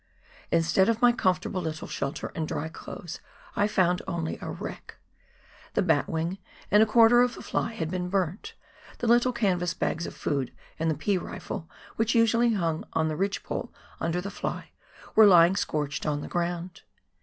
Instead of my comfortable little shelter and dry clothes, I found only a wreck. The batwing and a corner of the fly had been burnt, the little canvas bags of food and the pea rifle, which usually hung on the ridge pole under the fly, were lying scorched on the ground.